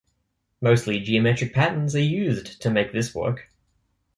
Mostly geometric patterns are used to make this work.